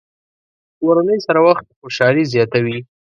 کورنۍ سره وخت خوشحالي زیاتوي.